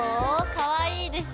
かわいいでしょ！